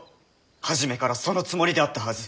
初めからそのつもりであったはず。